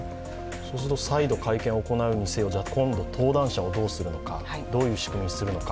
再度会見を行うにせよ、今度登壇者をどうするのか、どういう仕組みにするのか